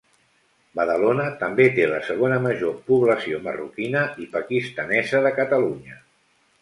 Badalona també té la segona major població marroquina i pakistanesa de Catalunya.